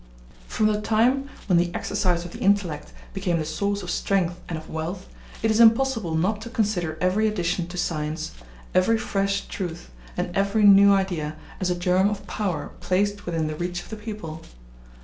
From the time when the exercise of the intellect became the source of strength and of wealth, it is impossible not to consider every addition to science, every fresh truth, and every new idea as a germ of power placed within the reach of the people.